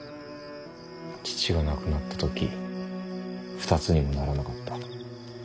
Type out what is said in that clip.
父が亡くなった時２つにもならなかった。